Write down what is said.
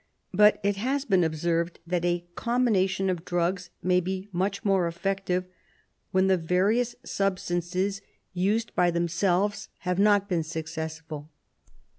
But it has been observed that a combination of drugs may be much more effective when the various substances, used by SLEEPING SICKNESS 29 themselves, have not been successful.